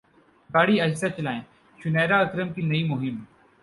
گاڑی اہستہ چلائیں شنیرا اکرم کی نئی مہم